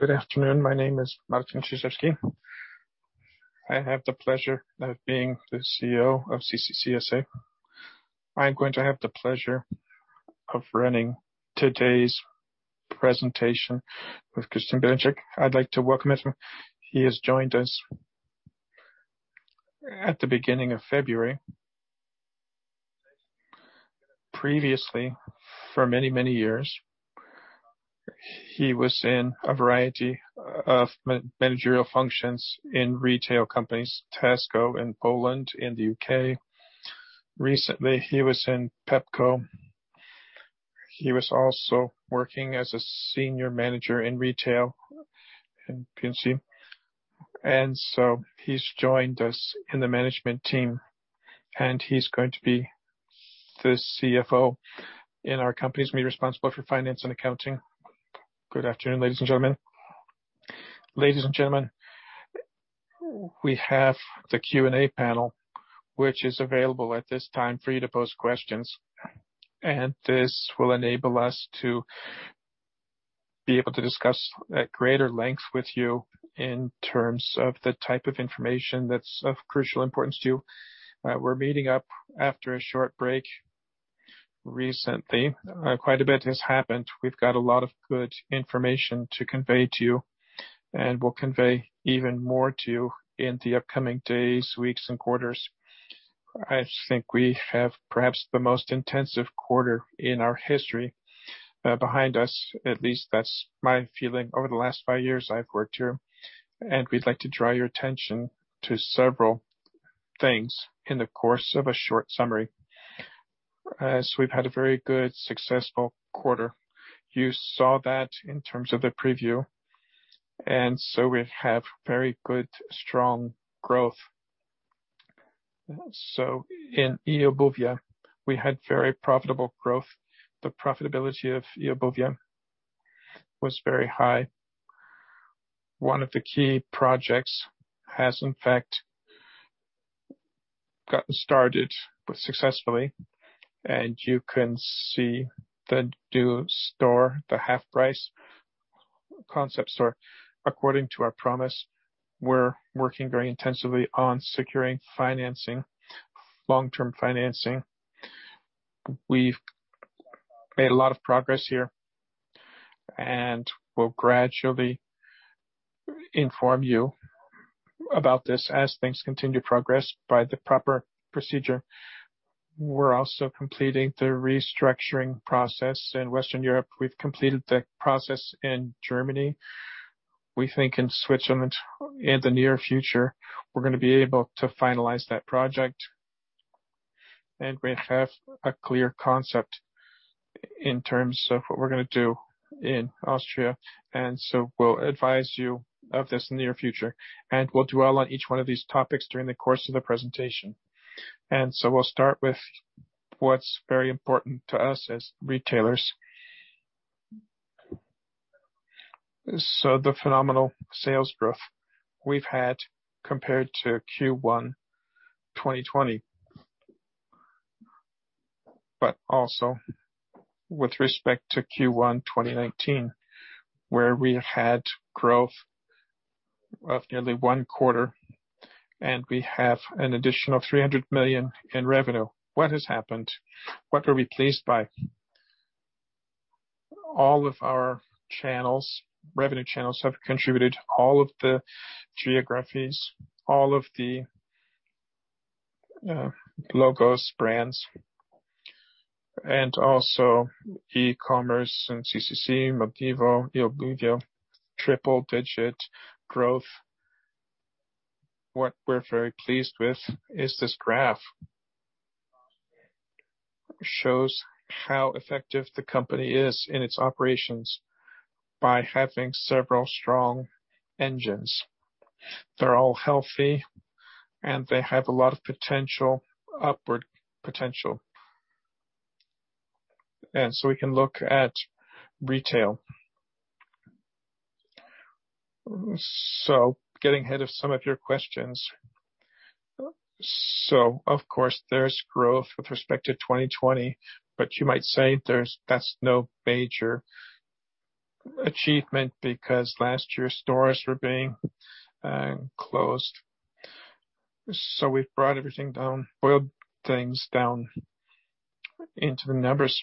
Good afternoon. My name is Marcin Czyczerski. I have the pleasure of being the CEO of CCC S.A. I'm going to have the pleasure of running today's presentation with Kryspin Derejczyk. I'd like to welcome him. He has joined us at the beginning of February. Previously, for many years, he was in a variety of managerial functions in retail companies, Tesco in Poland and the U.K. Recently, he was in PEPCO. He was also working as a senior manager in retail in P&C. He's joined us in the management team, and he's going to be the CFO in our company's being responsible for finance and accounting. Good afternoon, ladies and gentlemen. Ladies and gentlemen, we have the Q&A panel, which is available at this time for you to pose questions. This will enable us to be able to discuss at greater length with you in terms of the type of information that's of crucial importance to you. We're meeting up after a short break. Recently, quite a bit has happened. We've got a lot of good information to convey to you, and we'll convey even more to you in the upcoming days, weeks, and quarters. I think we have perhaps the most intensive quarter in our history behind us. At least that's my feeling over the last five years I've worked here, and we'd like to draw your attention to several things in the course of a short summary. We've had a very good, successful quarter. You saw that in terms of the preview, and so we have very good, strong growth. In eobuwie, we had very profitable growth. The profitability of eobuwie was very high. One of the key projects has, in fact, gotten started successfully, and you can see the new store, the HalfPrice concept store. According to our promise, we're working very intensively on securing financing, long-term financing. We've made a lot of progress here, and we'll gradually inform you about this as things continue to progress by the proper procedure. We're also completing the restructuring process in Western Europe. We've completed the process in Germany. We think in Switzerland, in the near future, we're going to be able to finalize that project, and we have a clear concept in terms of what we're going to do in Austria, and so we'll advise you of this in the near future, and we'll dwell on each one of these topics during the course of the presentation. We'll start with what's very important to us as retailers. The phenomenal sales growth we've had compared to Q1 2020, but also with respect to Q1 2019, where we had growth of nearly 1/4, and we have an additional 300 million in revenue. What has happened? What are we pleased by? All of our revenue channels have contributed, all of the geographies, all of the logos, brands, and also e-commerce and CCC, Modivo, eobuwie, triple-digit growth. What we're very pleased with is this graph. It shows how effective the company is in its operations by having several strong engines. They're all healthy, and they have a lot of potential, upward potential. We can look at retail. Getting ahead of some of your questions. Of course, there's growth with respect to 2020, but you might say that's no major achievement because last year stores were being closed. We've brought everything down, boiled things down into the numbers.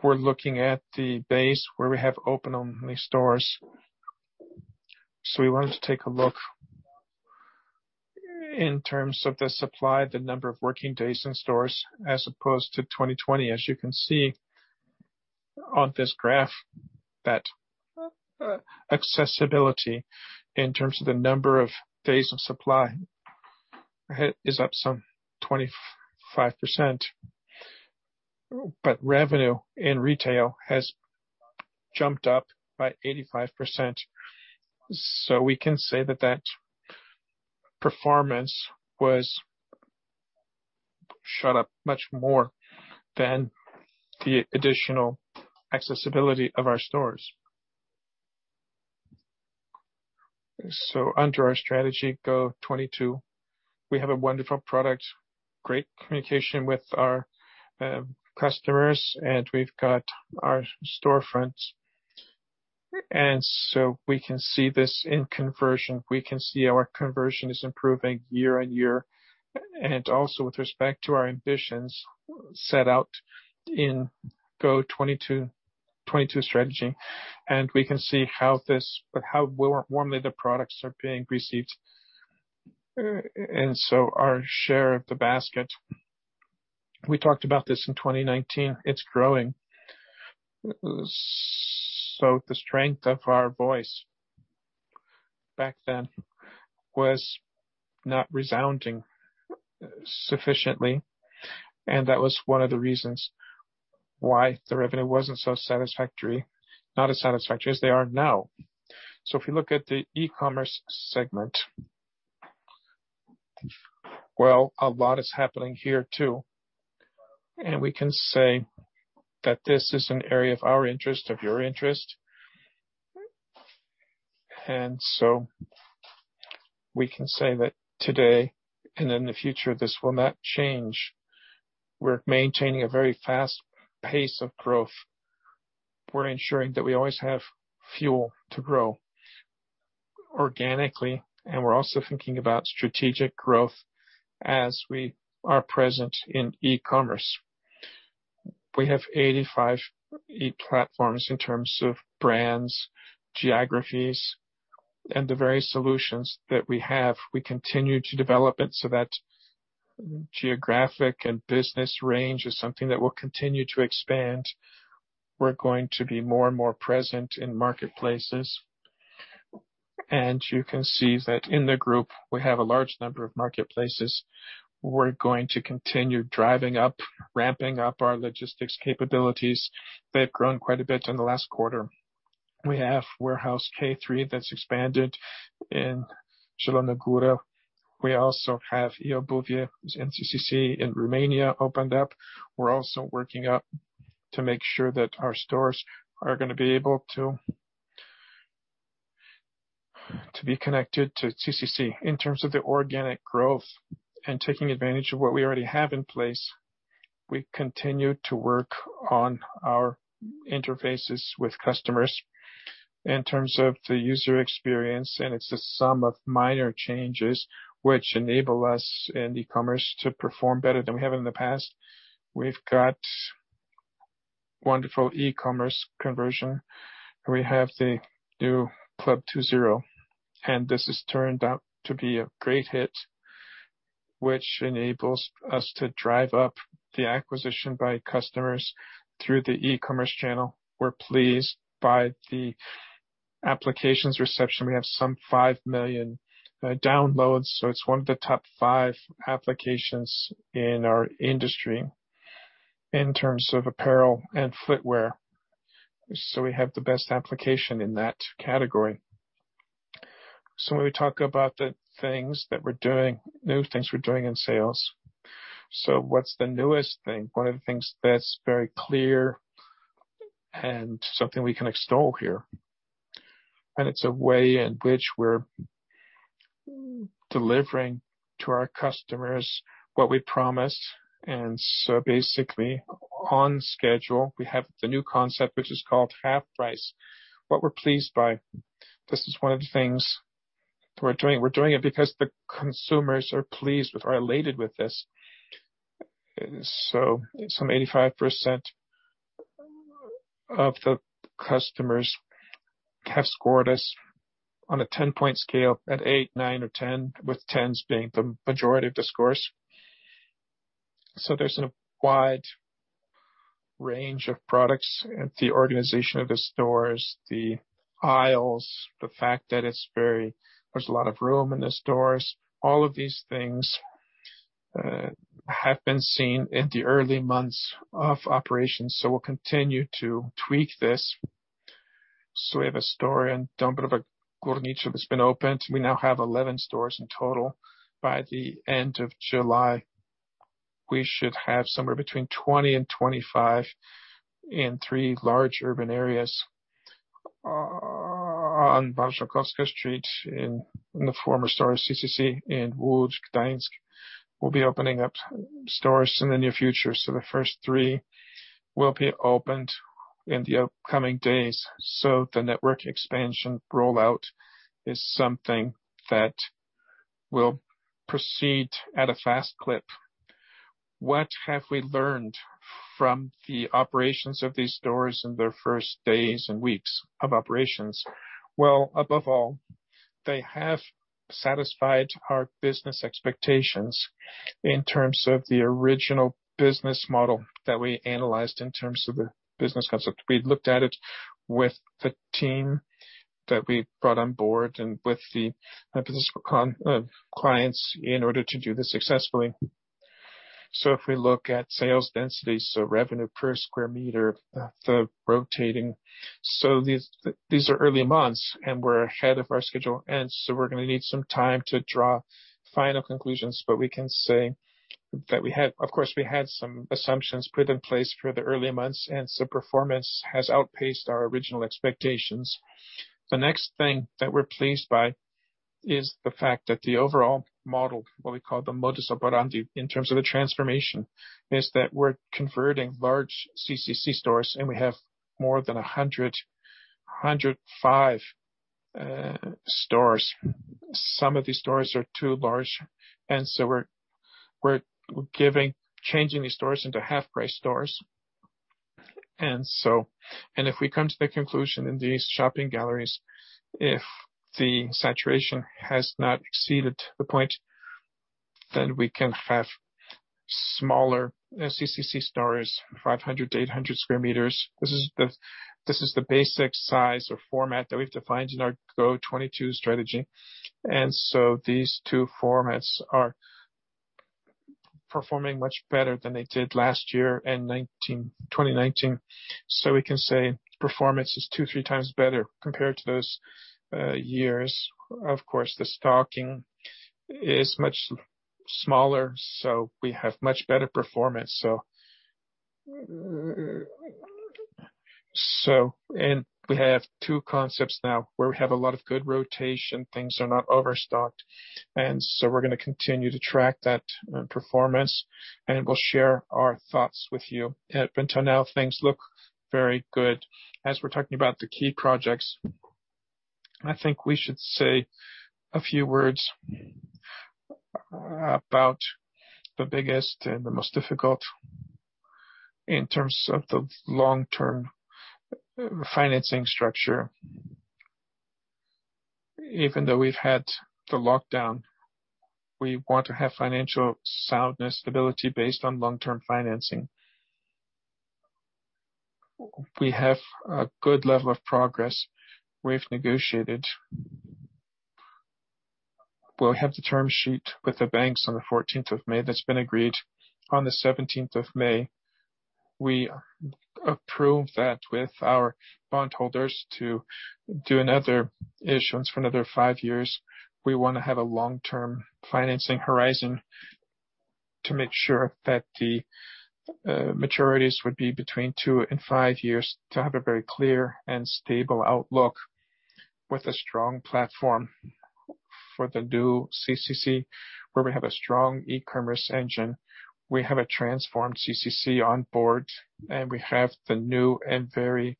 We're looking at the base where we have open-only stores. We want to take a look in terms of the supply, the number of working days in stores, as opposed to 2020. As you can see on this graph, that accessibility in terms of the number of days of supply is up some 25%, but revenue in retail has jumped up by 85%. We can say that performance shot up much more than the additional accessibility of our stores. Under our strategy GO.22, we have a wonderful product, great communication with our customers, and we've got our storefronts. We can see this in conversion. We can see our conversion is improving year-on-year, and also with respect to our ambitions set out in GO.22 strategy. We can see how warmly the products are being received. Our share of the basket, we talked about this in 2019, it's growing. The strength of our voice back then was not resounding sufficiently, and that was one of the reasons why the revenue wasn't so satisfactory, not as satisfactory as they are now. If you look at the e-commerce segment, well, a lot is happening here too, and we can say that this is an area of our interest, of your interest. We can say that today and in the future, this will not change. We're maintaining a very fast pace of growth. We're ensuring that we always have fuel to grow organically, and we're also thinking about strategic growth as we are present in e-commerce. We have 85 e-platforms in terms of brands, geographies, and the very solutions that we have, we continue to develop it so that geographic and business range is something that will continue to expand. We're going to be more and more present in marketplaces, and you can see that in the group, we have a large number of marketplaces. We're going to continue driving up, ramping up our logistics capabilities. They've grown quite a bit in the last quarter. We have warehouse K3 that's expanded in Zielona Góra. We also have eobuwie with CCC in Romania opened up. We're also working up to make sure that our stores are going to be able to be connected to CCC. In terms of the organic growth and taking advantage of what we already have in place, we continue to work on our interfaces with customers in terms of the user experience. It's the sum of minor changes which enable us in e-commerce to perform better than we have in the past. We've got wonderful e-commerce conversion. We have the new Club20. This has turned out to be a great hit, which enables us to drive up the acquisition by customers through the e-commerce channel. We're pleased by the application's reception. We have some 5 million downloads, so it's one of the top five applications in our industry in terms of apparel and footwear. We have the best application in that category. When we talk about the new things we're doing in sales. What's the newest thing? One of the things that's very clear and something we can extol here, it's a way in which we're delivering to our customers what we promise, basically on schedule, we have the new concept which is called HalfPrice, what we're pleased by. This is one of the things we're doing. We're doing it because the consumers are pleased with or elated with this. Some 85% of the customers have scored us on a 10-point scale at eight, nine, or 10, with 10s being the majority of the scores. There's a wide range of products at the organization of the stores, the aisles, the fact that there's a lot of room in the stores. All of these things have been seen in the early months of operations, we'll continue to tweak this. We have a store in Dąbrowa Górnicza that's been opened. We now have 11 stores in total. By the end of July, we should have somewhere between 20 and 25 in three large urban areas on Bałucka Street in the former store CCC in Łódź, Gdańsk. We'll be opening up stores in the near future. The first three will be opened in the upcoming days. The network expansion rollout is something that will proceed at a fast clip. What have we learned from the operations of these stores in their first days and weeks of operations? Well, above all, they have satisfied our business expectations in terms of the original business model that we analyzed in terms of the business concept. We looked at it with the team that we brought on board and with the business clients in order to do this successfully. If we look at sales density, so revenue per square meter, the rotating. These are early months, and we're ahead of our schedule. We're going to need some time to draw final conclusions. We can say that, of course, we had some assumptions put in place for the early months, and so performance has outpaced our original expectations. The next thing that we're pleased by is the fact that the overall model, what we call the modus operandi in terms of the transformation, is that we're converting large CCC stores, and we have more than 105 stores. Some of these stores are too large, and so we're changing these stores into HalfPrice stores. If we come to the conclusion in these shopping galleries, if the saturation has not exceeded to the point, then we can have smaller CCC stores, 500 to 800 sqm. This is the basic size or format that we've defined in our GO.22 strategy. These two formats are performing much better than they did last year in 2019. We can say performance is two to three times better compared to those years. Of course, the stocking is much smaller, so we have much better performance. We have two concepts now where we have a lot of good rotation. Things are not overstocked, we're going to continue to track that performance, and we'll share our thoughts with you. Up until now, things look very good. We're talking about the key projects, I think we should say a few words about the biggest and the most difficult in terms of the long-term financing structure. Even though we've had the lockdown, we want to have financial soundness stability based on long-term financing. We have a good level of progress. We've negotiated. We had the term sheet with the banks on the May 14th that's been agreed on the May 17th. We approved that with our bondholders to do another issuance for another five years. We want to have a long-term financing horizon to make sure that the maturities would be between two and five years to have a very clear and stable outlook. With a strong platform for the new CCC, where we have a strong e-commerce engine, we have a transformed CCC on board, and we have the new and very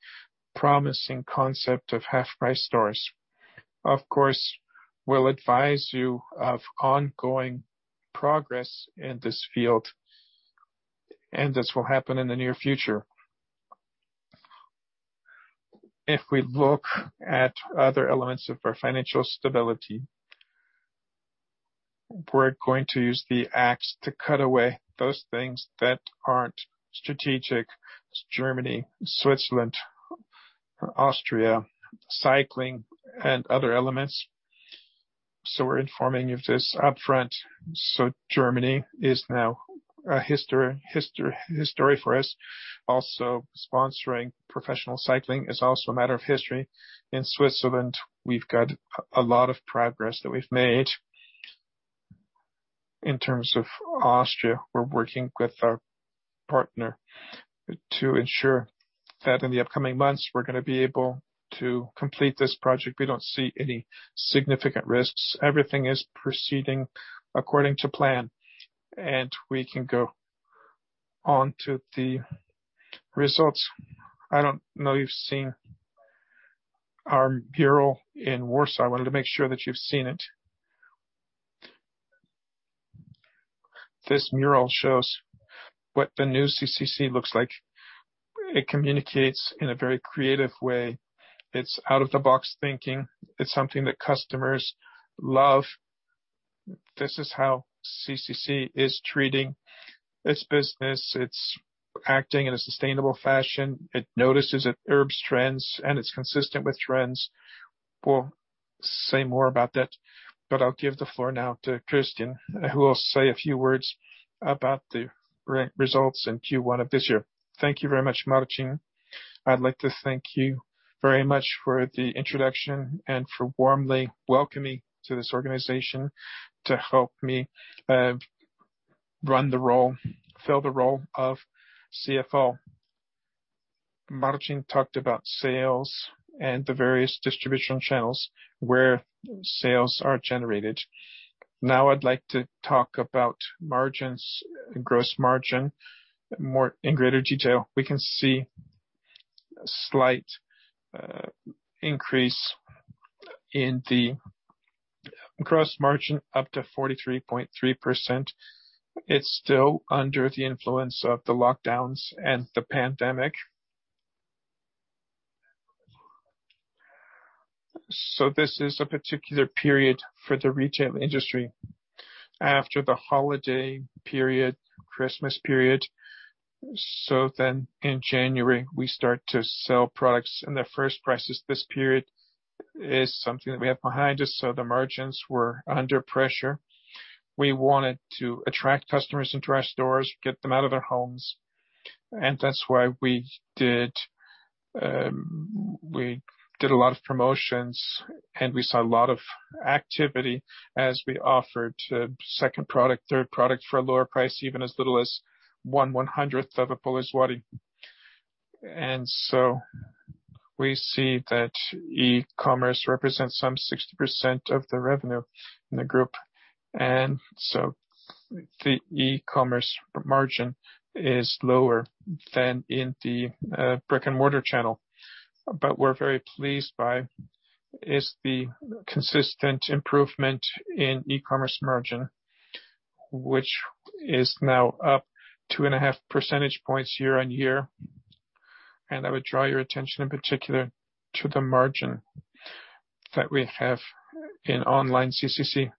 promising concept of HalfPrice stores. Of course, we'll advise you of ongoing progress in this field, and this will happen in the near future. If we look at other elements of our financial stability, we're going to use the axe to cut away those things that aren't strategic, Germany, Switzerland, Austria, cycling, and other elements. We're informing of this upfront. Germany is now a history for us. Also, sponsoring professional cycling is also a matter of history. In Switzerland, we've got a lot of progress that we've made. In terms of Austria, we're working with our partner to ensure that in the upcoming months, we're going to be able to complete this project. We don't see any significant risks. Everything is proceeding according to plan, and we can go on to the results. I don't know if you've seen our mural in Warsaw. I wanted to make sure that you've seen it. This mural shows what the new CCC looks like. It communicates in a very creative way. It's out-of-the-box thinking. It's something that customers love. This is how CCC is treating its business. It's acting in a sustainable fashion. It notices it heeds trends, and it's consistent with trends. We'll say more about that, but I'll give the floor now to Kryspin, who will say a few words about the results in Q1 of this year. Thank you very much, Marcin. I'd like to thank you very much for the introduction and for warmly welcoming to this organization to help me fill the role of CFO. Marcin talked about sales and the various distribution channels where sales are generated. I'd like to talk about margins and gross margin in greater detail. We can see a slight increase in the gross margin up to 43.3%. It's still under the influence of the lockdowns and the pandemic. This is a particular period for the retail industry after the holiday period, Christmas period. In January, we start to sell products, and the first prices this period is something that we have behind us. The margins were under pressure. We wanted to attract customers into our stores, get them out of their homes, that's why we did a lot of promotions, and we saw a lot of activity as we offered second product, third product for a lower price, even as little as 0.01. We see that e-commerce represents some 60% of the revenue in the group, the e-commerce margin is lower than in the brick-and-mortar channel. We're very pleased by is the consistent improvement in e-commerce margin, which is now up two and a half percentage points year-over-year. I would draw your attention in particular to the margin that we have in online CCC.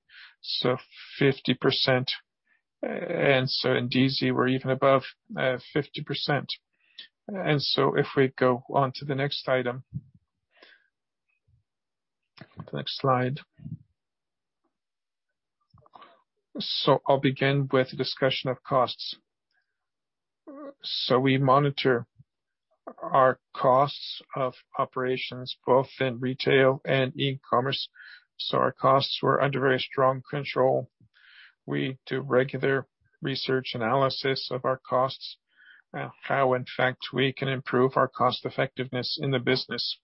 50%, in DeeZee, we're even above 50%. If we go on to the next item, next slide. I'll begin with a discussion of costs. We monitor our costs of operations both in retail and e-commerce. Our costs were under very strong control. We do regular research analysis of our costs and how in fact, we can improve our cost effectiveness in the business.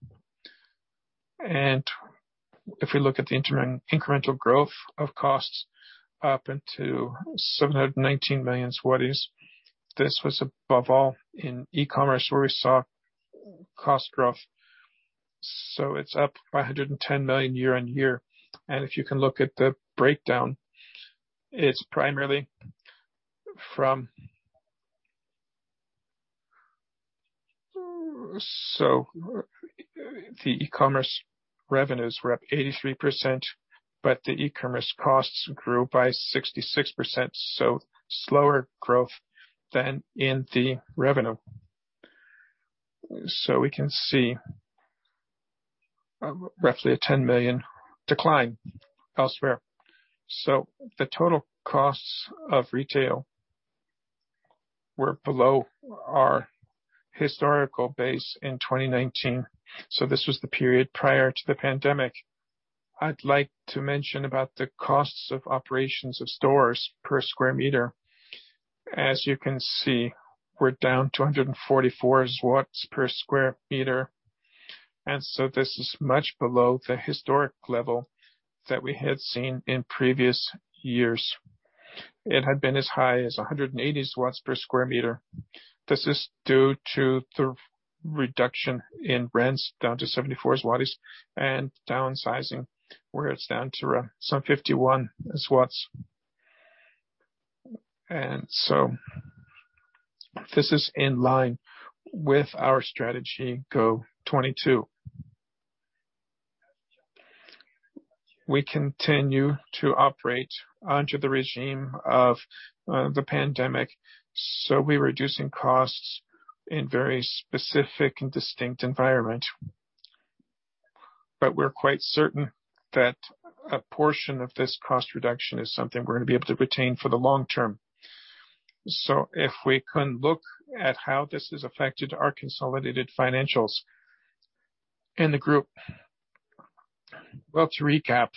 If we look at the incremental growth of costs up until 719 million, this was above all in e-commerce where we saw cost growth. It's up 110 million year-on-year. If you can look at the breakdown, it's primarily from the e-commerce revenues were up 83%, but the e-commerce costs grew by 66%, slower growth than in the revenue. We can see roughly a 10 million decline elsewhere. The total costs of retail were below our historical base in 2019. This was the period prior to the pandemic. I'd like to mention about the costs of operations of stores per square meter. As you can see, we're down to 144 per square meter, this is much below the historic level that we had seen in previous years. It had been as high as 180 per square meter. This is due to the reduction in rents down to 74 and downsizing, where it's down to around some 51. This is in line with our strategy, GO.22. We continue to operate under the regime of the pandemic, we're reducing costs in very specific and distinct environment. We're quite certain that a portion of this cost reduction is something we're going to be able to retain for the long term. If we can look at how this has affected our consolidated financials in the group. To recap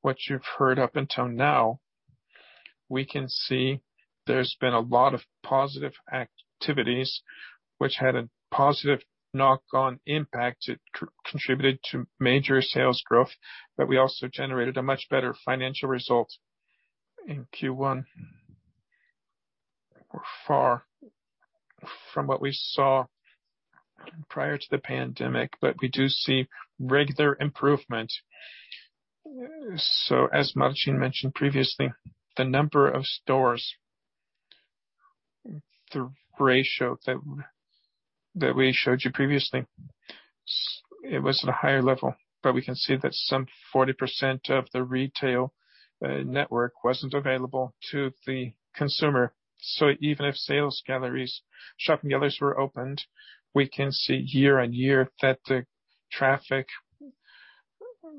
what you've heard up until now, we can see there's been a lot of positive activities which had a positive knock-on impact. It contributed to major sales growth, but we also generated a much better financial result in Q1. We're far from what we saw prior to the pandemic, but we do see regular improvement. As Marcin mentioned previously, the number of stores, the ratio that we showed you previously, it was at a higher level, but we can see that some 40% of the retail network wasn't available to the consumer. Even if sales galleries, shopping galleries were opened, we can see year-on-year that the traffic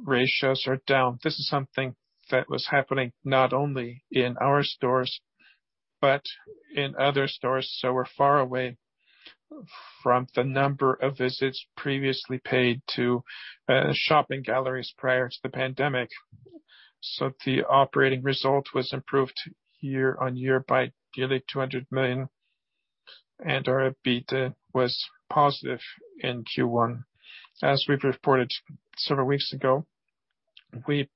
ratios are down. This is something that was happening not only in our stores but in other stores, so we're far away from the number of visits previously paid to shopping galleries prior to the pandemic. The operating result was improved year-on-year by nearly 200 million, and our EBITDA was positive in Q1. As we've reported several weeks ago, we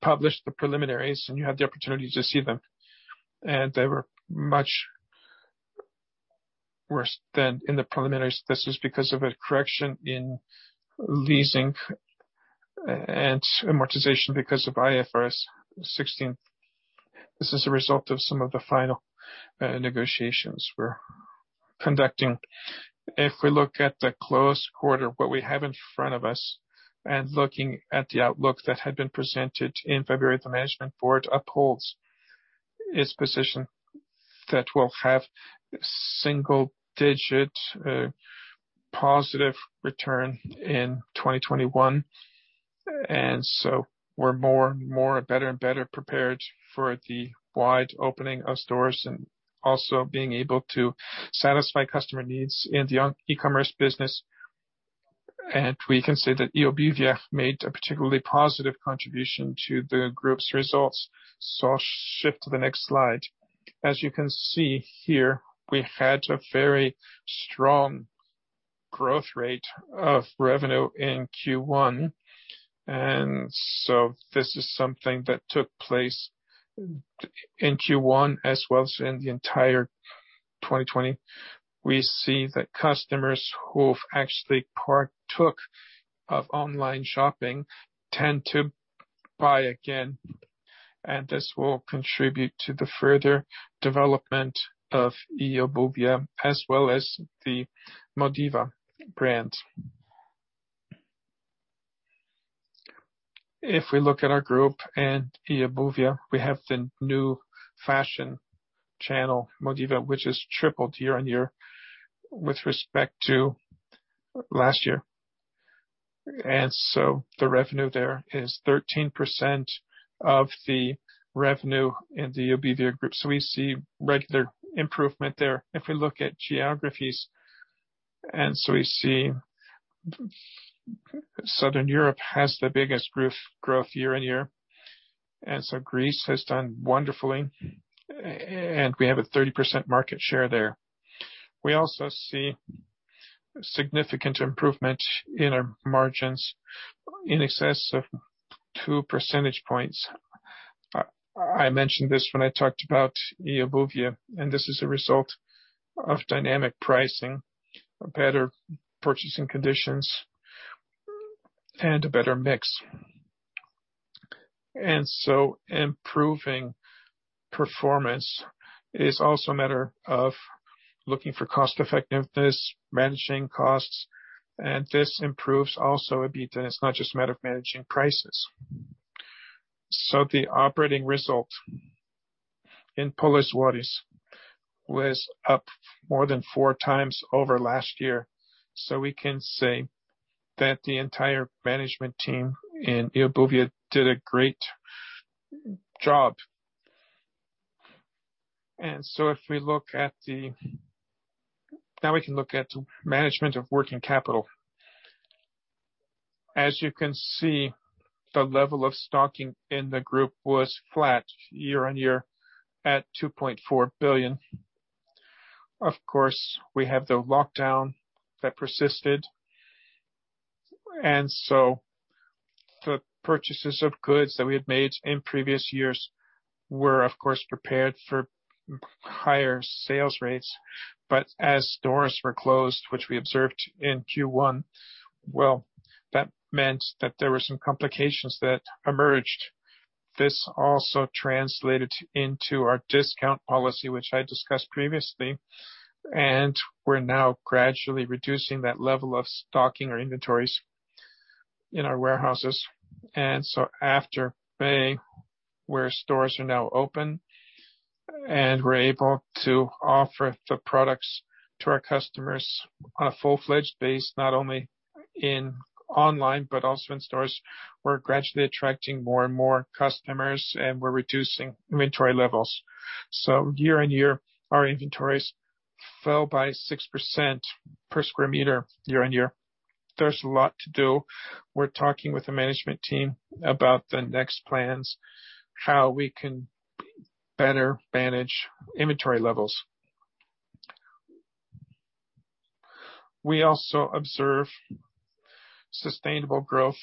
published the preliminaries, and you had the opportunity to see them, and they were much worse than in the preliminaries. This is because of a correction in leasing and amortization because of IFRS 16. This is a result of some of the final negotiations we're conducting. If we look at the closed quarter, what we have in front of us and looking at the outlook that had been presented in February, the management board upholds its position that we'll have single-digit positive return in 2021. We're more and more better and better prepared for the wide opening of stores and also being able to satisfy customer needs in the e-commerce business. We can say that eobuwie made a particularly positive contribution to the group's results. I'll shift to the next slide. As you can see here, we had a very strong growth rate of revenue in Q1, and so this is something that took place in Q1 as well as in the entire 2020. We see that customers who have actually partook of online shopping tend to buy again, and this will contribute to the further development of eobuwie, as well as the Modivo brand. If we look at our group and eobuwie, we have the new fashion channel, Modivo, which has tripled year-on-year with respect to last year. The revenue there is 13% of the revenue in the eobuwie group. We see regular improvement there. If we look at geographies, and so we see Southern Europe has the biggest growth year-on-year. Greece has done wonderfully, and we have a 30% market share there. We also see significant improvement in our margins in excess of 2 percentage points. I mentioned this when I talked about eobuwie, and this is a result of dynamic pricing, better purchasing conditions, and a better mix. Improving performance is also a matter of looking for cost effectiveness, managing costs, and this improves also EBITDA. It's not just a matter of managing prices. The operating result in Polkowice was up more than four times over last year. We can say that the entire management team in eobuwie did a great job. Now we can look at management of working capital. As you can see, the level of stocking in the group was flat year-on-year at 2.4 billion. Of course, we had the lockdown that persisted, the purchases of goods that we've made in previous years were, of course, prepared for higher sales rates. As stores were closed, which we observed in Q1, well, that meant that there were some complications that emerged. This also translated into our discount policy, which I discussed previously, and we're now gradually reducing that level of stocking or inventories in our warehouses. After May, where stores are now open, and we're able to offer the products to our customers full-fledged base, not only in online but also in stores, we're gradually attracting more and more customers, and we're reducing inventory levels. Year-on-year, our inventories fell by 6% per square meter year-on-year. There's a lot to do. We're talking with the management team about the next plans, how we can better manage inventory levels. We also observe sustainable growth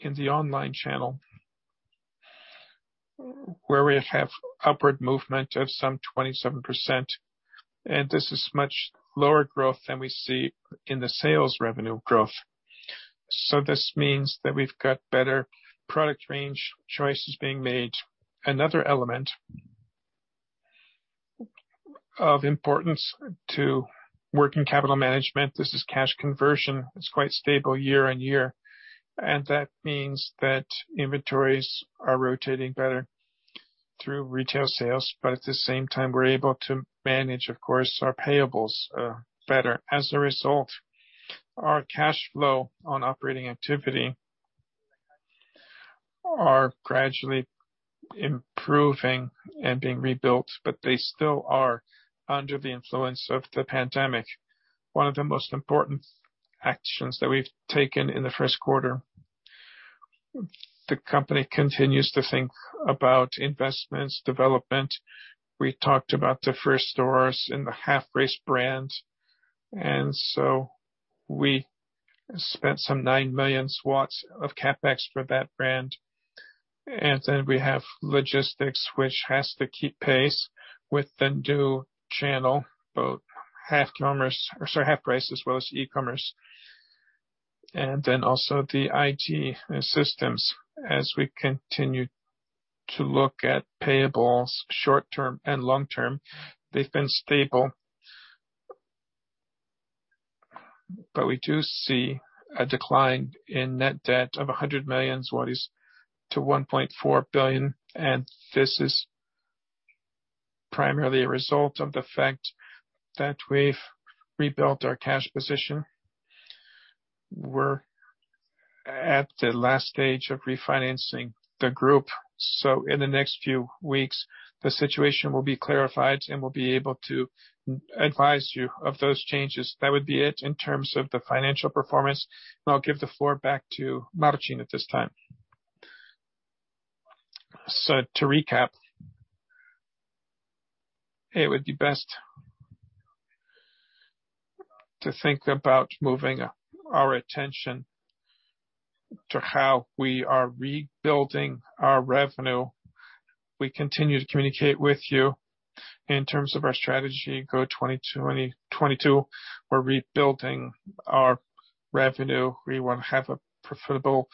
in the online channel, where we have upward movement of some 27%, and this is much lower growth than we see in the sales revenue growth. This means that we've got better product range choices being made. Another element of importance to working capital management, this is cash conversion. It's quite stable year-on-year, and that means that inventories are rotating better through retail sales. At the same time, we are able to manage, of course, our payables better. As a result, our cash flow on operating activity are gradually improving and being rebuilt, but they still are under the influence of the pandemic. One of the most important actions that we have taken in the first quarter, the company continues to think about investments development. We talked about the first stores in the HalfPrice brand. We spent some 9 million of CapEx for that brand. We have logistics, which has to keep pace with the new channel, both HalfPrice as well as e-commerce. Also the IT systems, as we continue to look at payables short-term and long-term. They've been stable. We do see a decline in net debt of 100 million zlotys to 1.4 billion, and this is primarily a result of the fact that we've rebuilt our cash position. We're at the last stage of refinancing the group. In the next few weeks, the situation will be clarified, and we'll be able to advise you of those changes. That would be it in terms of the financial performance, I'll give the floor back to Marcin at this time. To recap, it would be best to think about moving our attention to how we are rebuilding our revenue. We continue to communicate with you in terms of our strategy GO.22. We're rebuilding our revenue. We want to have a profitable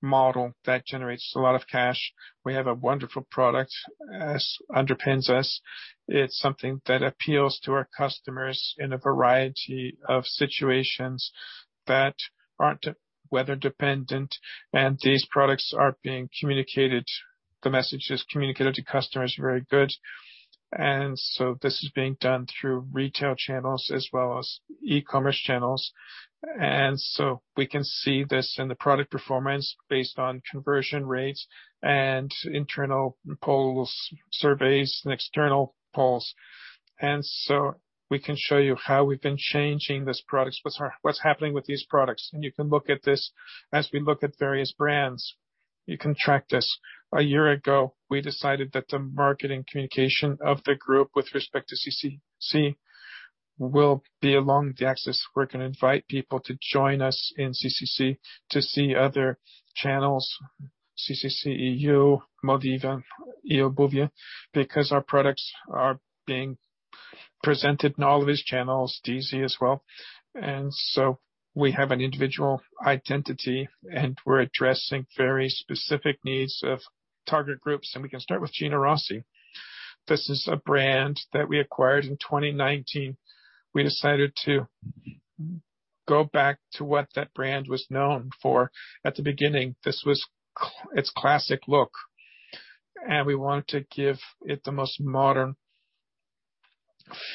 model that generates a lot of cash. We have a wonderful product as underpins us. It's something that appeals to our customers in a variety of situations that aren't weather-dependent, and these products are being communicated. The message is communicated to customers very good. This is being done through retail channels as well as e-commerce channels. We can see this in the product performance based on conversion rates and internal polls, surveys, and external polls. We can show you how we've been changing these products, what's happening with these products. You can look at this as we look at various brands. You can track this. A year ago, we decided that the marketing communication of the group with respect to CCC will be along the axis. We're going to invite people to join us in CCC to see other channels, CCC.eu, Modivo, eobuwie, because our products are being presented in all of these channels, DeeZee as well. We have an individual identity, and we're addressing very specific needs of target groups. We can start with Gino Rossi. This is a brand that we acquired in 2019. We decided to go back to what that brand was known for at the beginning. This was its classic look, and we wanted to give it the most modern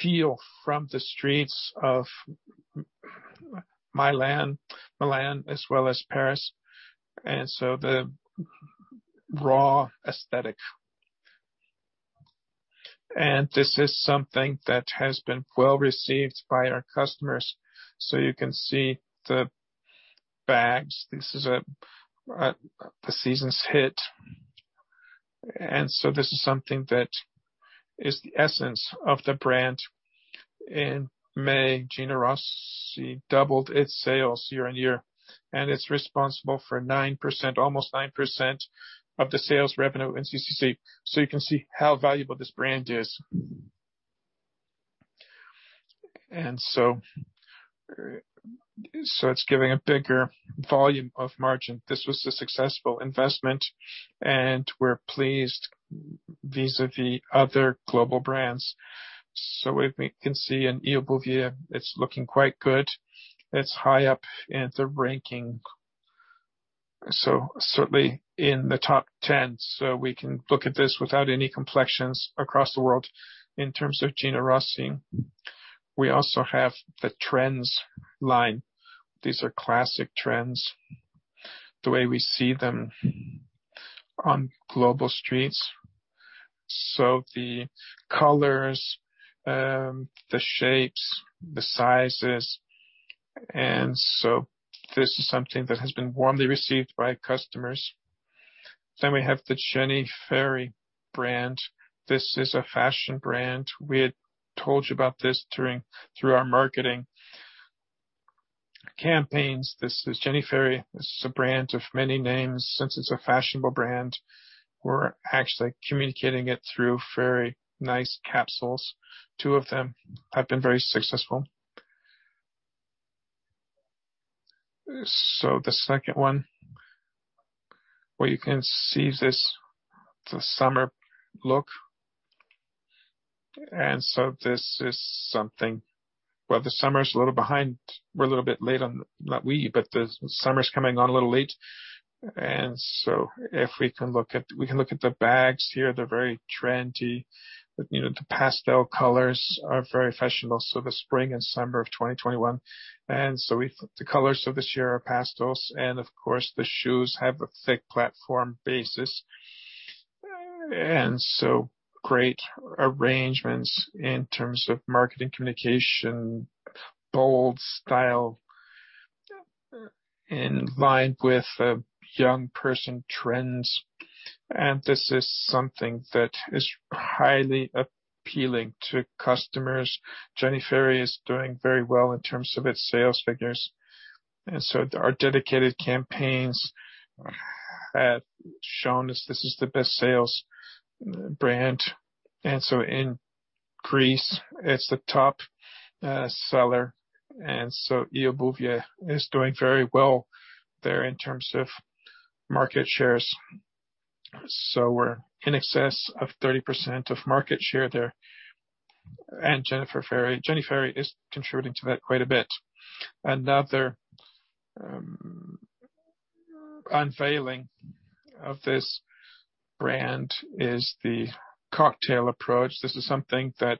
feel from the streets of Milan as well as Paris, and so the raw aesthetic. This is something that has been well received by our customers. You can see the bags. This is the season's hit. This is something that is the essence of the brand. In May, Gino Rossi doubled its sales year-over-year, and it's responsible for almost 9% of the sales revenue in CCC. You can see how valuable this brand is. It's getting a bigger volume of margin. This was a successful investment, and we're pleased vis-à-vis other global brands. We can see in eobuwie, it's looking quite good. It's high up in the ranking, so certainly in the top 10. We can look at this without any complexions across the world. In terms of Gino Rossi, we also have the trends line. These are classic trends, the way we see them on global streets. The colors, the shapes, the sizes, this is something that has been warmly received by customers. We have the Jenny Fairy brand. This is a fashion brand. We had told you about this through our marketing campaigns. This is Jenny Fairy. This is a brand of many names. Since it's a fashionable brand, we're actually communicating it through very nice capsules. Two of them have been very successful. The second one, where you can see this, the summer look. This is something. Well, the summer's a little behind. We're a little bit late on that week, but the summer's coming on a little late. If we can look at the bags here, they're very trendy. The pastel colors are very fashionable, so the spring and summer of 2021. The colors of this year are pastels, and of course, the shoes have a thick platform basis. Great arrangements in terms of marketing communication, bold style in line with young person trends. This is something that is highly appealing to customers. Jenny Fairy is doing very well in terms of its sales figures, and so our dedicated campaigns have shown us this is the best sales brand. In Greece, it's the top seller. Eobuwie is doing very well there in terms of market shares. We're in excess of 30% of market share there. Jenny Fairy is contributing to that quite a bit. Another unveiling of this brand is the cocktail approach. This is something that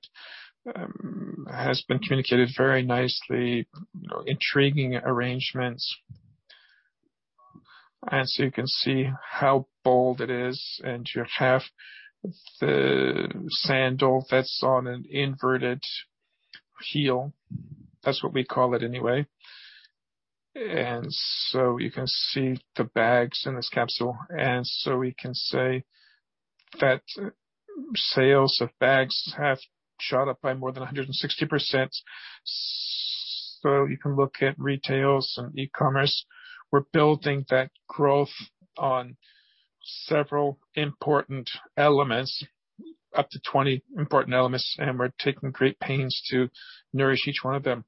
has been communicated very nicely, intriguing arrangements. You can see how bold it is, and you have the sandal that's on an inverted heel. That's what we call it anyway. You can see the bags in this capsule, we can say that sales of bags have shot up by more than 160%. You can look at retails and e-commerce. We're building that growth on several important elements, up to 20 important elements, and we're taking great pains to nourish each one of them.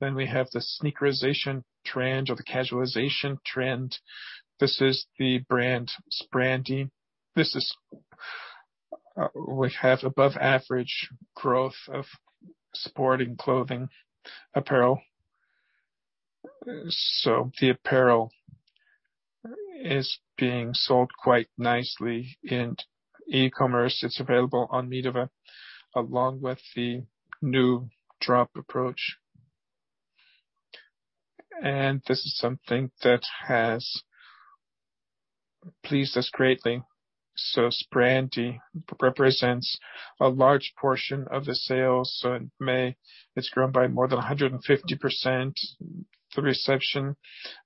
We have the sneakerization trend or the casualization trend. This is the brand Sprandi. We have above average growth of sporting clothing apparel. The apparel is being sold quite nicely in e-commerce. It's available on Modivo, along with the new drop approach. This is something that has pleased us greatly. Sprandi represents a large portion of the sales. In May, it's grown by more than 150%. The reception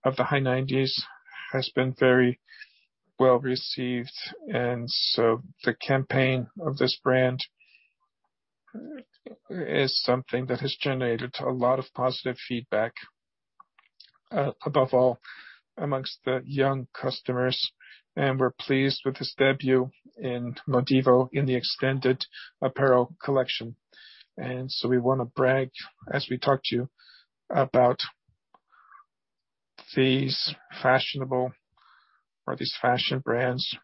of the High 90s has been very well-received, the campaign of this brand is something that has generated a lot of positive feedback, above all, amongst the young customers. We're pleased with this debut in Modivo in the extended apparel collection. We want to brag, as we talk to you, about these fashionable or these fashion brands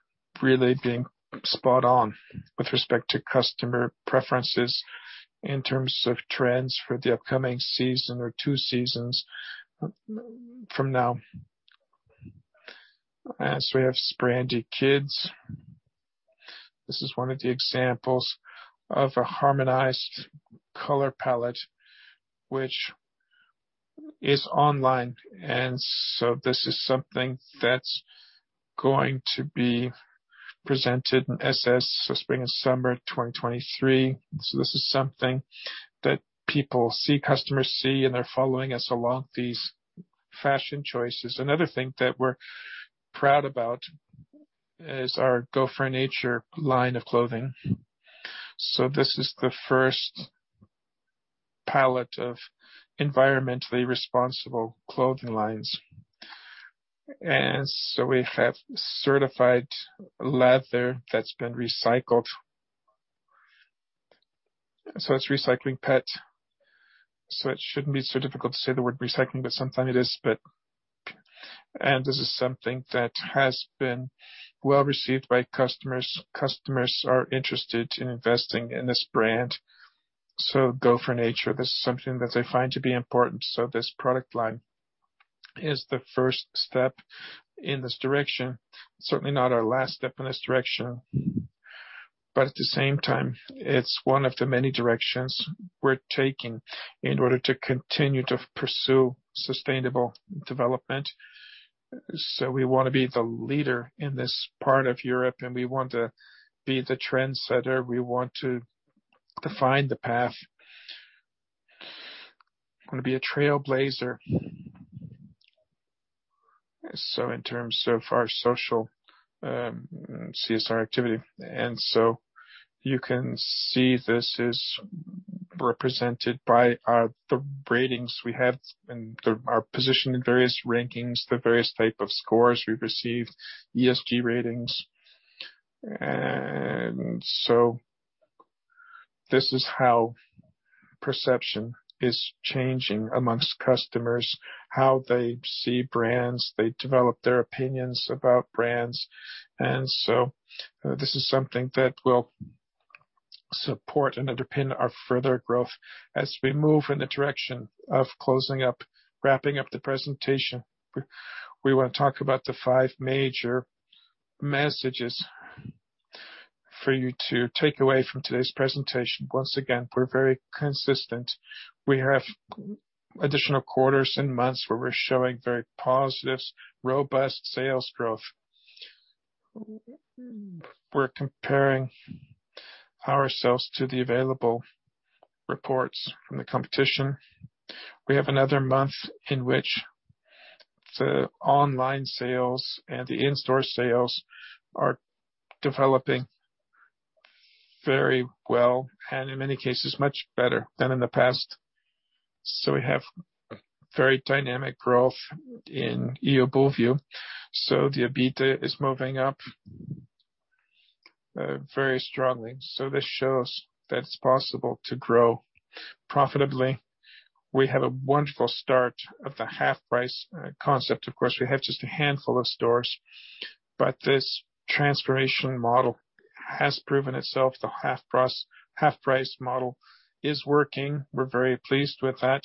really being spot on with respect to customer preferences in terms of trends for the upcoming season or two seasons from now. We have Sprandi Kids. This is one of the examples of a harmonized color palette which is online. This is something that's going to be presented in SS, Spring and Summer 2023. This is something that people see, customers see, and they're following us along these fashion choices. Another thing that we're proud about is our Go for Nature line of clothing. This is the first palette of environmentally responsible clothing lines. We have certified leather that's been recycled. It's recycling PET. It shouldn't be so difficult to say the word recycling, but sometimes it is. This is something that has been well-received by customers. Customers are interested in investing in this brand. Go for Nature, this is something that they find to be important. This product line is the first step in this direction. Certainly not our last step in this direction, but at the same time, it's one of the many directions we're taking in order to continue to pursue sustainable development. We want to be the leader in this part of Europe, and we want to be the trendsetter. We want to define the path, want to be a trailblazer. In terms of our social CSR activity, you can see this is represented by our ratings we have and our position in various rankings, the various type of scores we receive, ESG ratings. This is how perception is changing amongst customers, how they see brands, they develop their opinions about brands. This is something that will support and underpin our further growth. As we move in the direction of closing up, wrapping up the presentation, we want to talk about the five major messages for you to take away from today's presentation. Once again, we're very consistent. We have additional quarters and months where we're showing very positive, robust sales growth. We're comparing ourselves to the available reports from the competition. We have another month in which the online sales and the in-store sales are developing very well, and in many cases, much better than in the past. We have very dynamic growth in eobuwie. The EBITDA is moving up very strongly. This shows that it's possible to grow profitably. We had a wonderful start of the HalfPrice concept. Of course, we had just a handful of stores, but this transformation model has proven itself. The HalfPrice model is working. We're very pleased with that.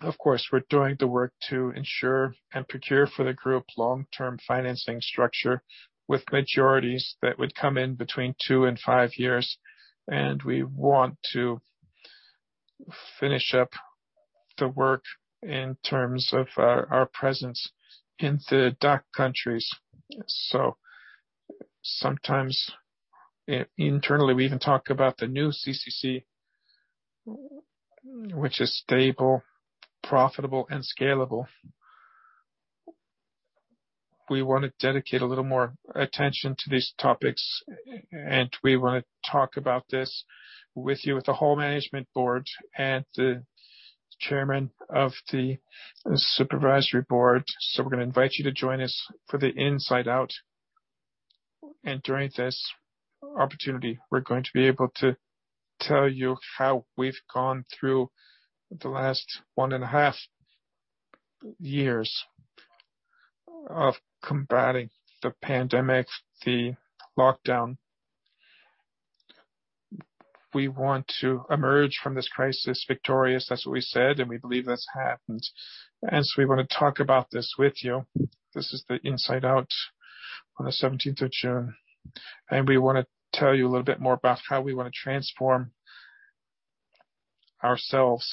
Of course, we're doing the work to ensure and procure for the group long-term financing structure with majorities that would come in between two and five years. We want to finish up the work in terms of our presence in the DACH countries. Sometimes internally, we even talk about the new CCC, which is stable, profitable, and scalable. We want to dedicate a little more attention to these topics. We want to talk about this with you, with the whole management board and the chairman of the supervisory board. We're going to invite you to join us for the Insight Out. During this opportunity, we're going to be able to tell you how we've gone through the last one and a half years of combating the pandemic, the lockdown. We want to emerge from this crisis victorious, as we said. We believe that's happened. We want to talk about this with you. This is the Insight Out on the June 17th, and we want to tell you a little bit more about how we want to transform ourselves.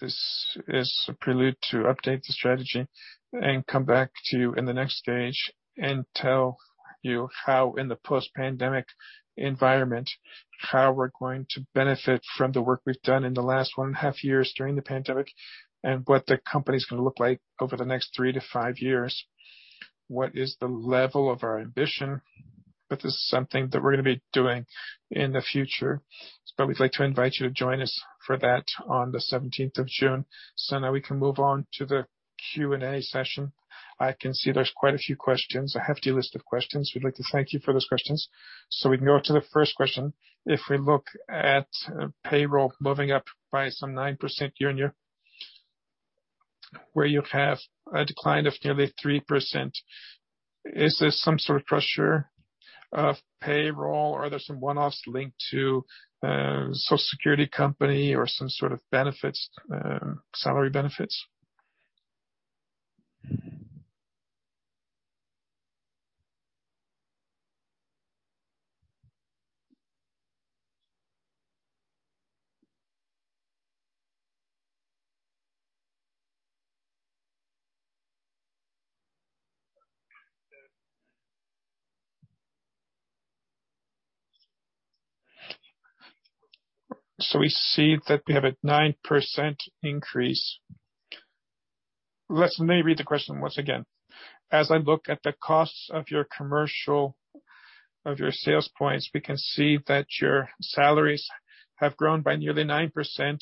This is a prelude to update the strategy and come back to you in the next stage and tell you how in the post-pandemic environment, how we're going to benefit from the work we've done in the last one and a half years during the pandemic, and what the company's going to look like over the next three to five years. What is the level of our ambition? This is something that we're going to be doing in the future. We'd like to invite you to join us for that on the June 17th. Now we can move on to the Q&A session. I can see there's quite a few questions. I have the list of questions. We'd like to thank you for those questions. We can go to the first question. If we look at payroll moving up by some 9% year-on-year, where you have a decline of nearly 3%, is this some sort of pressure of payroll or there's someone else linked to social security company or some sort of salary benefits? We see that we have a 9% increase. Let's maybe read the question once again. As I look at the costs of your commercial, of your sales points, we can see that your salaries have grown by nearly 9%,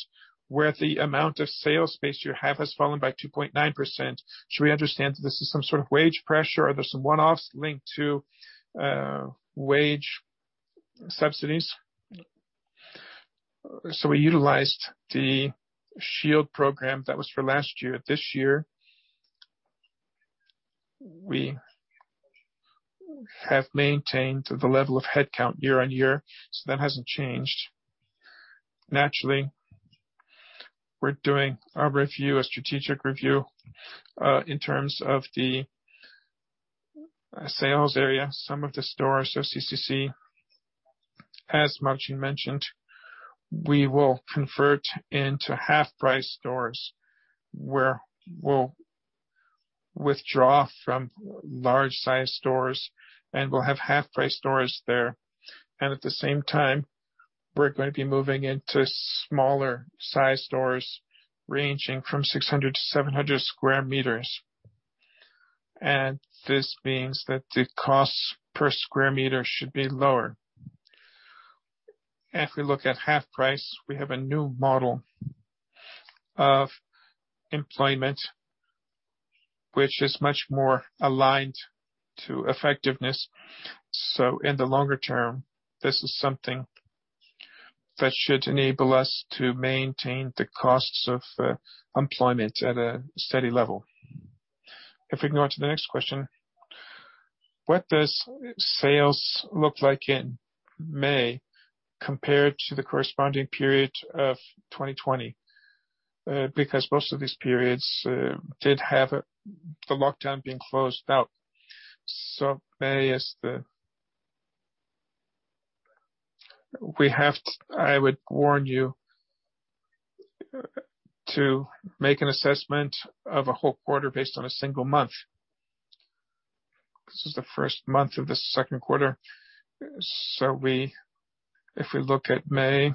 where the amount of sales space you have has fallen by 2.9%. Should we understand if this is some sort of wage pressure or there's someone else linked to wage subsidies? We utilized the shield program that was for last year. This year, we have maintained the level of headcount year-on-year, so that hasn't changed. Naturally, we're doing a review, a strategic review, in terms of the sales area, some of the stores, so CCC. As Marcin mentioned, we will convert into HalfPrice stores, where we'll withdraw from large size stores and we'll have HalfPrice stores there. At the same time, we're going to be moving into smaller size stores ranging from 600 sqm to 700 sqm. This means that the cost per square meter should be lower. If we look at HalfPrice, we have a new model of employment, which is much more aligned to effectiveness. In the longer term, this is something that should enable us to maintain the costs of employment at a steady level. If we can go on to the next question. What does sales look like in May compared to the corresponding period of 2020? Because most of these periods did have the lockdown being closed out. May is the I would warn you to make an assessment of a whole quarter based on a single month. This is the first month of the second quarter. If we look at May,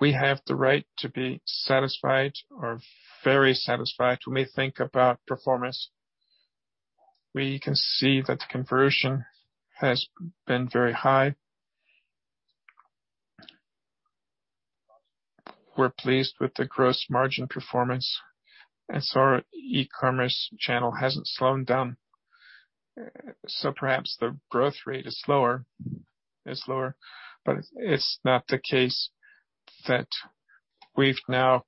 we have the right to be satisfied or very satisfied when we think about performance, where you can see that the conversion has been very high. We're pleased with the gross margin performance, and so our e-commerce channel hasn't slowed down. Perhaps the growth rate is lower. It's not the case that we've now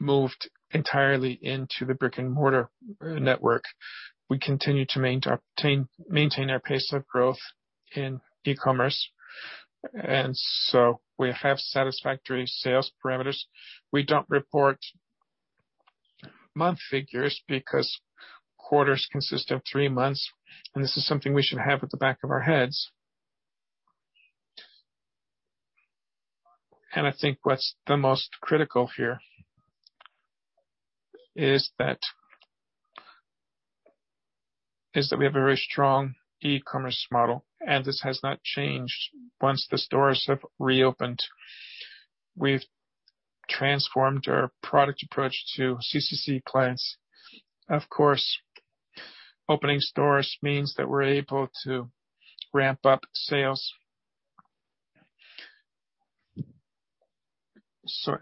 moved entirely into the brick-and-mortar network. We continue to maintain our pace of growth in e-commerce, and so we have satisfactory sales parameters. We don't report month figures because quarters consist of three months. This is something we should have at the back of our heads. I think what's the most critical here is that we have a very strong e-commerce model. This has not changed once the stores have reopened. We've transformed our product approach to CCC clients. Of course, opening stores means that we're able to ramp up sales.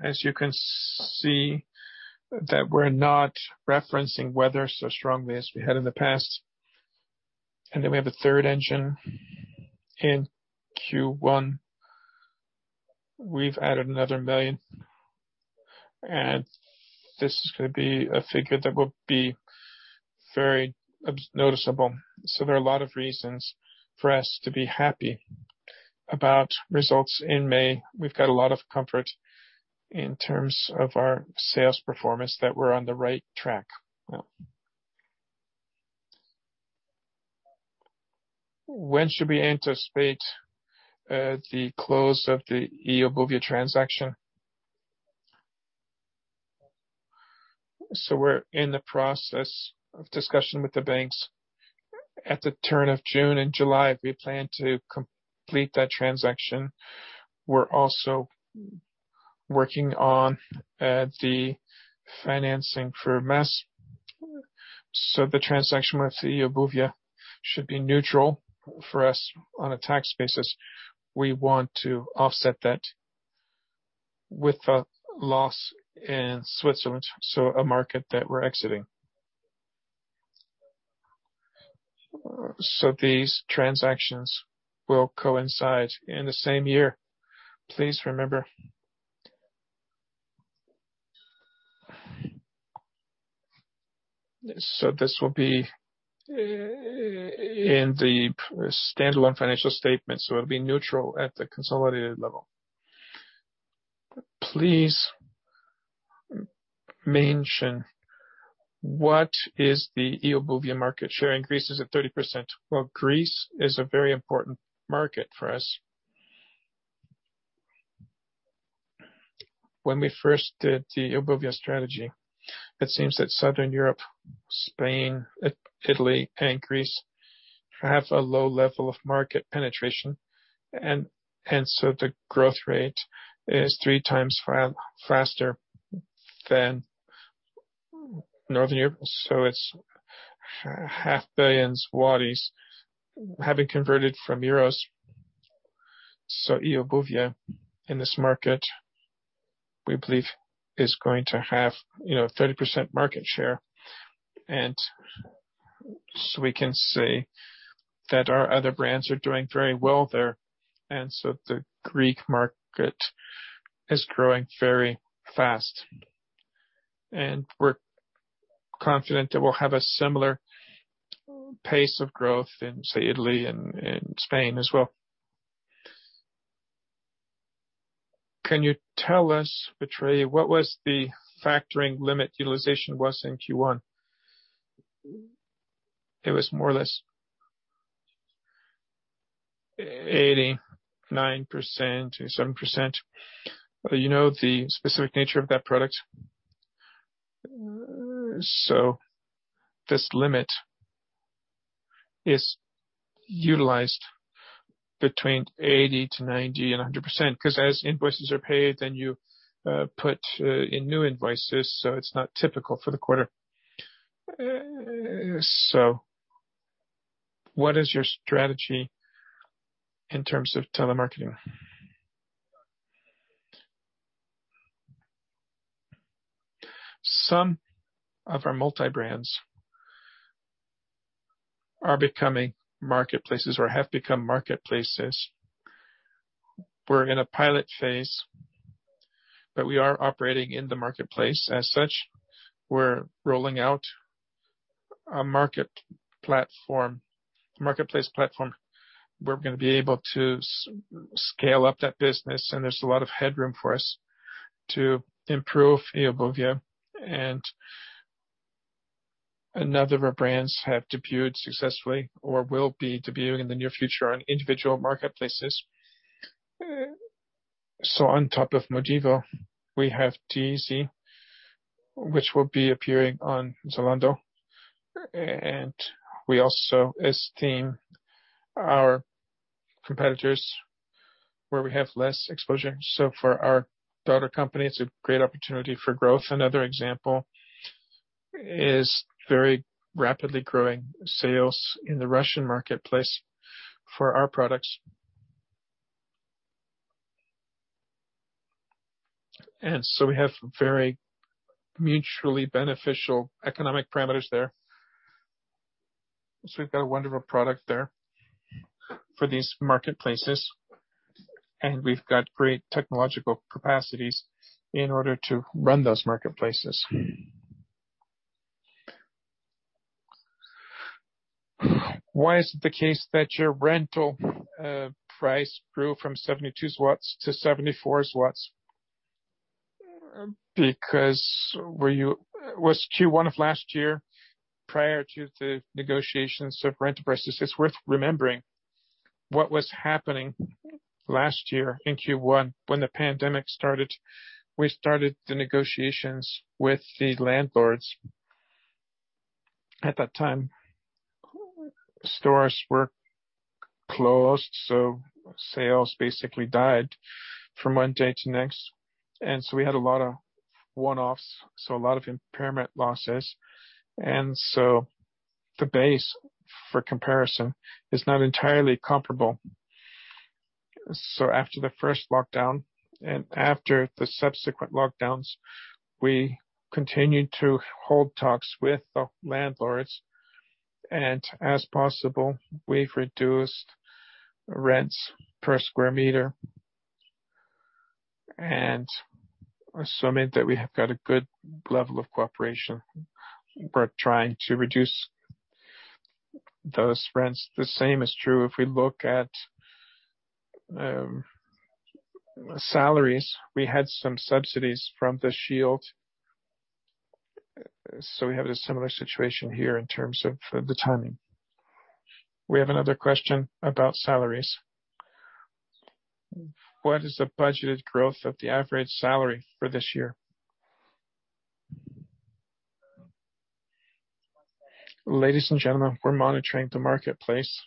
As you can see that we're not referencing weather so strongly as we have in the past. Then we have a third engine in Q1. We've added another million. This is going to be a figure that will be very noticeable. There are a lot of reasons for us to be happy about results in May. We've had a lot of comfort in terms of our sales performance that we're on the right track. When should we anticipate the close of the eobuwie transaction? We're in the process of discussion with the banks. At the turn of June and July, we plan to complete that transaction. We're also working on the financing for MES. The transaction with the eobuwie should be neutral for us on a tax basis. We want to offset that with a loss in Switzerland, so a market that we're exiting. These transactions will coincide in the same year. Please remember. This will be in the standalone financial statements, so it'll be neutral at the consolidated level. Please mention what is the eobuwie market share increase is it 30%? Well, Greece is a very important market for us. When we first did the eobuwie strategy, it seems that Southern Europe, Spain, Italy, and Greece have a low level of market penetration, and so the growth rate is 3x faster than Northern Europe. It's 500,000,000 having converted from euros. Eobuwie in this market, we believe, is going to have 30% market share. We can say that our other brands are doing very well there, and so the Greek market is growing very fast. We're confident that we'll have a similar pace of growth in, say, Italy and Spain as well. Can you tell us, Półtorak, what was the factoring limit utilization was in Q1? It was more or less 89% or 87%. You know the specific nature of that product. This limit is utilized between 80% to 90% and 100%, because as invoices are paid, you put in new invoices, it is not typical for the quarter. What is your strategy in terms of telemarketing? Some of our multi-brands are becoming marketplaces or have become marketplaces. We are in a pilot phase, we are operating in the marketplace as such. We are rolling out a marketplace platform. We are going to be able to scale up that business, there is a lot of headroom for us to improve eobuwie. Another of our brands have debuted successfully or will be debuting in the near future on individual marketplaces. On top of Modivo, we have DeeZee, which will be appearing on Zalando. We also esteem our competitors where we have less exposure. For our daughter company, it is a great opportunity for growth. Another example is very rapidly growing sales in the Russian marketplace for our products. We have very mutually beneficial economic parameters there. We've got a wonderful product there for these marketplaces, and we've got great technological capacities in order to run those marketplaces. Why is it the case that your rental price grew from 72 to 74? Because it was Q1 of last year, prior to the negotiations of rent prices. It's worth remembering what was happening last year in Q1 when the pandemic started. We started the negotiations with the landlords. At that time, stores were closed, so sales basically died from one day to the next. We had a lot of one-offs, so a lot of impairment losses. The base for comparison is not entirely comparable. After the first lockdown and after the subsequent lockdowns, we continued to hold talks with the landlords, and as possible, we've reduced rents per square meter, and assuming that we have got a good level of cooperation, we're trying to reduce those rents. The same is true if we look at salaries. We had some subsidies from the shield, so we had a similar situation here in terms of the timing. We have another question about salaries. What is the budgeted growth of the average salary for this year? Ladies and gentlemen, we're monitoring the marketplace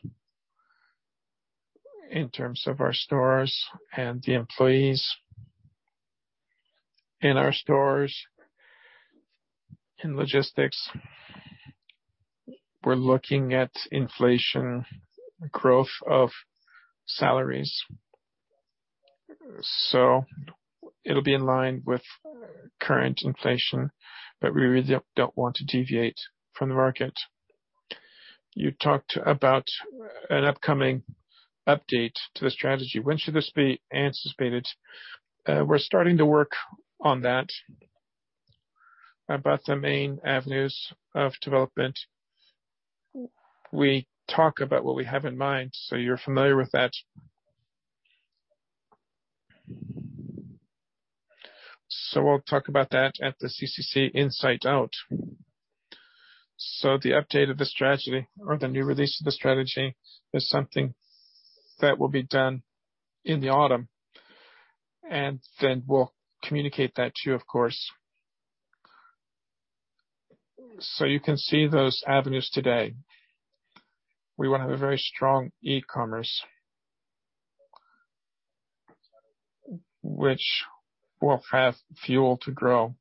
in terms of our stores and the employees in our stores, in logistics. We're looking at inflation, growth of salaries. It'll be in line with current inflation, but we really don't want to deviate from the market. You talked about an upcoming update to the strategy. When should this be anticipated? We're starting to work on that. About the main avenues of development, we talk about what we have in mind, so you're familiar with that. I'll talk about that at the CCC inside out. The update of the strategy or the new release of the strategy is something that will be done in the autumn, and then we'll communicate that to you, of course. You can see those avenues today. We want to have a very strong e-commerce, which will have fuel to grow.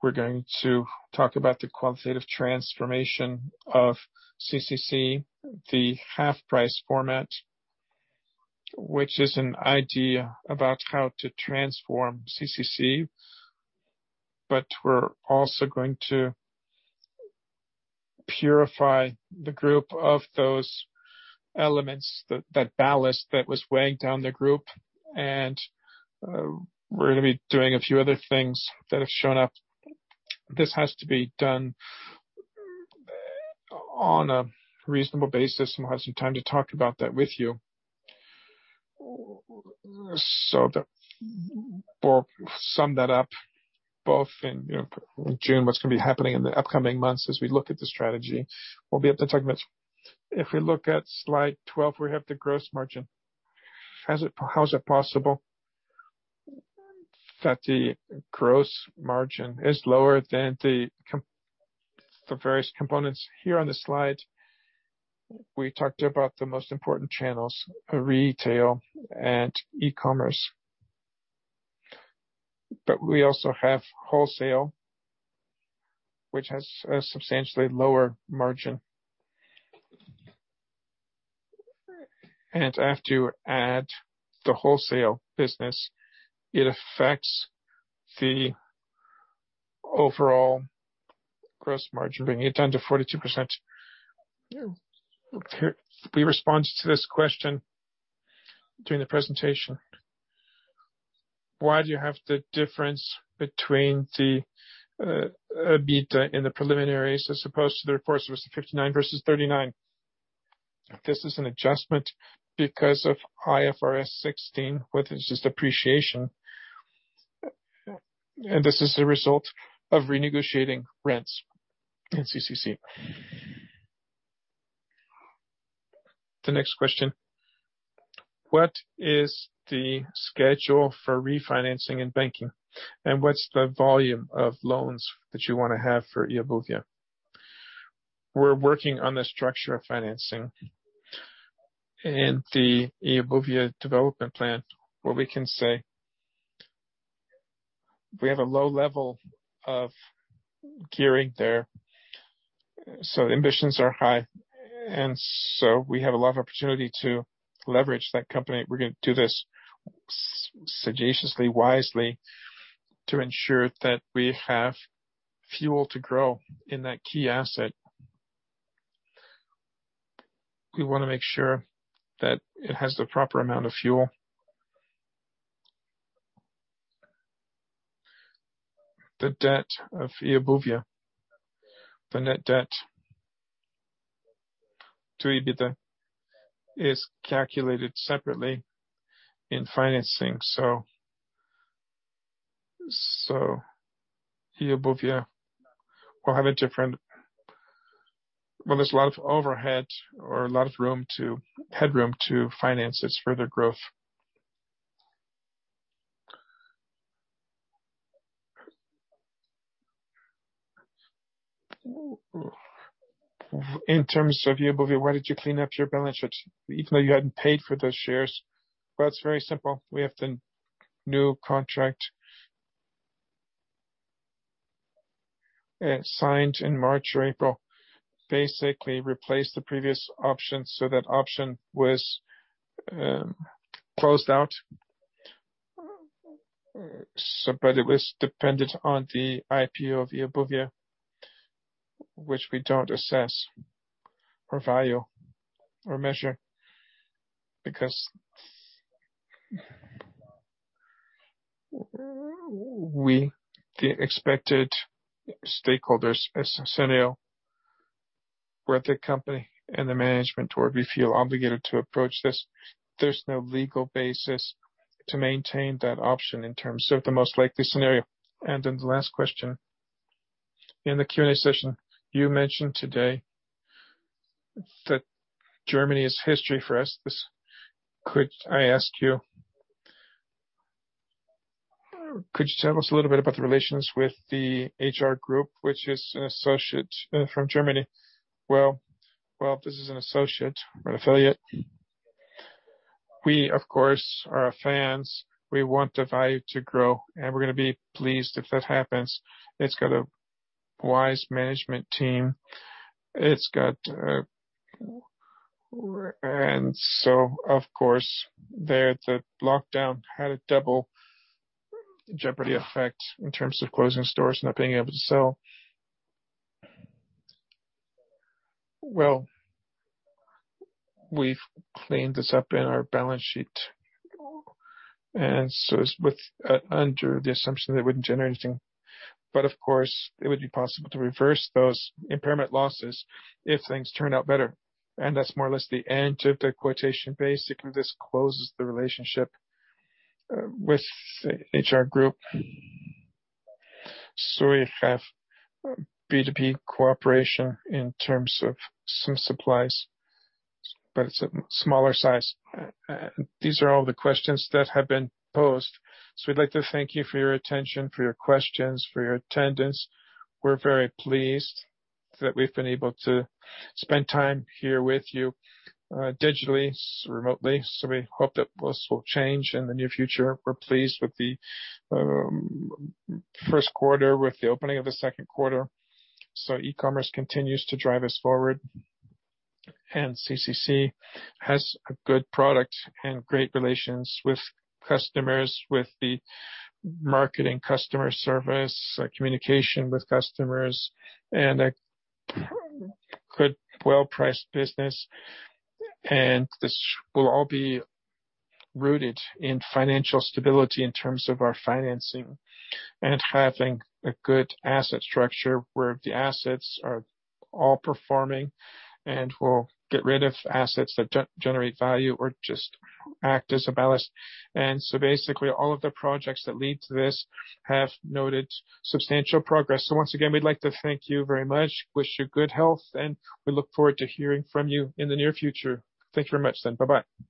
We're going to talk about the qualitative transformation of CCC, the HalfPrice format, which is an idea about how to transform CCC, but we're also going to purify the group of those elements, that ballast that was weighing down the group, and we're going to be doing a few other things that have shown up. This has to be done on a reasonable basis and we'll have some time to talk about that with you. To sum that up, both in June, what's going to be happening in the upcoming months as we look at the strategy, we'll be able to talk about. If we look at slide 12, we have the gross margin. How is it possible that the gross margin is lower than the various components here on the slide? We talked about the most important channels, retail and e-commerce. We also have wholesale, which has a substantially lower margin. I have to add the wholesale business, it affects the overall gross margin, bringing it down to 42%. We responded to this question during the presentation. Why do you have the difference between the EBITDA in the preliminaries as opposed to the reports, it was 59 versus 39? This is an adjustment because of IFRS 16, which is depreciation. This is a result of renegotiating rents in CCC. The next question: What is the schedule for refinancing and banking, and what's the volume of loans that you want to have for eobuwie? We're working on the structure of financing and the eobuwie development plan. What we can say, we have a low level of gearing there, ambitions are high, we have a lot of opportunity to leverage that company. We're going to do this sagaciously, wisely, to ensure that we have fuel to grow in that key asset. We want to make sure that it has the proper amount of fuel. The debt of eobuwie, the net debt-to-EBITDA, is calculated separately in financing. Well, there's a lot of overhead or a lot of headroom to finance its further growth. In terms of eobuwie, why did you clean up your balance sheet even though you hadn't paid for those shares? That's very simple. We have the new contract signed in March or April, basically replaced the previous option, so that option was closed out. It was dependent on the IPO of eobuwie, which we don't assess or value or measure, because we, the expected stakeholders, as Sanego. We're the company and the management where we feel obligated to approach this. There's no legal basis to maintain that option in terms of the most likely scenario. The last question. In the Q&A session, you mentioned today that Germany is history for us. Could I ask you, could you tell us a little bit about the relations with the HR Group, which is an associate from Germany? Well, this is an associate or affiliate. We, of course, are fans. We want the value to grow, and we're going to be pleased if that happens. It's got a wise management team. Of course, there the lockdown had a double jeopardy effect in terms of closing stores, not being able to sell. Well, we've cleaned this up in our balance sheet, it's under the assumption they wouldn't generate anything. Of course, it would be possible to reverse those impairment losses if things turn out better. That's more or less the end of the quotation. Basically, this closes the relationship with HR Group. We have B2B cooperation in terms of some supplies, but it's smaller size. These are all the questions that have been posed. We'd like to thank you for your attention, for your questions, for your attendance. We're very pleased that we've been able to spend time here with you digitally, remotely. We hope that this will change in the near future. We're pleased with the first quarter, with the opening of the second quarter. E-commerce continues to drive us forward, and CCC has a good product and great relations with customers, with the marketing customer service, communication with customers, and a good, well-priced business. This will all be rooted in financial stability in terms of our financing and having a good asset structure where the assets are all performing, and we'll get rid of assets that don't generate value or just act as a ballast. Basically, all of the projects that lead to this have noted substantial progress. Once again, we'd like to thank you very much, wish you good health, and we look forward to hearing from you in the near future. Thank you very much then. Bye-bye.